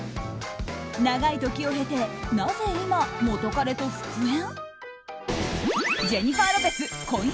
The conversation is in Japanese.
長い時を経てなぜ今、元カレと復縁？